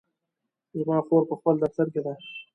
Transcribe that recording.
زما خور په خپل دفتر کې ده